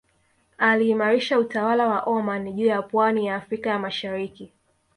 Aliimarisha utawala wa Omani juu ya pwani ya Afrika ya Mashariki